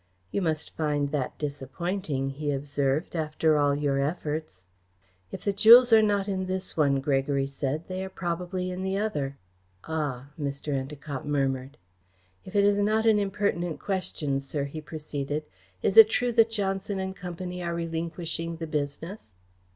"You must find that disappointing," he observed, "after all your efforts." "If the jewels are not in this one," Gregory said, "they are probably in the other." "Ah!" Mr. Endacott murmured. "If it is not an impertinent question, sir," he proceeded, "is it true that Johnson and Company are relinquishing the business?"